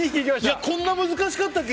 こんな難しかったっけ？